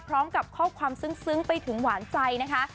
พร้อมกับข้อความซึ้งไปถึงหวานใจนะคะ